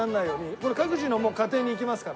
これ各自の家庭に行きますから。